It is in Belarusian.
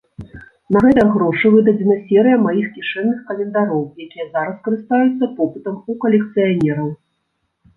На гэтыя грошы выдадзена серыя маіх кішэнных календароў, якія зараз карыстаюцца попытам у калекцыянераў.